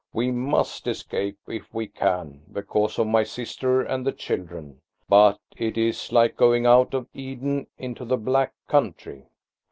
We must escape, if we can, because of my sister and the children, but it is like going out of Eden into the Black Country."